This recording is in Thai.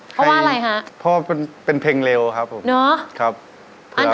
เขาว่าอะไรคะเพราะว่าเป็นเพลงเร็วครับผมครับประมาณอันนั้น